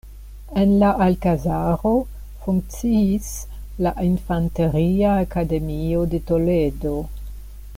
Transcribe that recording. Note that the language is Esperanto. En la alkazaro funkciis la Infanteria Akademio de Toledo.